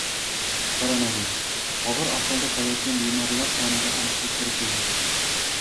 Koronavirus: og‘ir ahvolda qolayotgan bemorlar soniga aniqlik kiritildi